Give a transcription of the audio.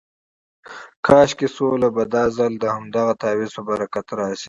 کاشکې سوله به دا ځل د همدغه تعویض په برکت راشي.